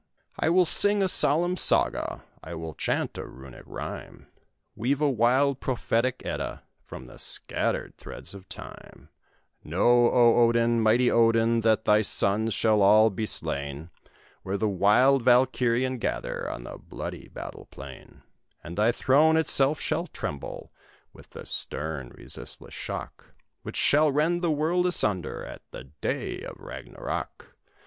"I will sing a solemn Saga, I will chant a Runic rhyme, Weave a wild, prophetic Edda, From the scattered threads of time: Know, O Odin, mighty Odin, That thy sons shall all be slain, Where the wild Valkyrien gather, On the bloody battle plain; And thy throne itself shall tremble With the stern, resistless shock, Which shall rend the world asunder At the day of Ragnaroc.